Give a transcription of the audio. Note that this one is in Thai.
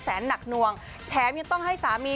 หนักหน่วงแถมยังต้องให้สามี